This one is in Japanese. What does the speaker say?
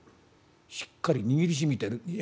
「しっかり握りしめてる。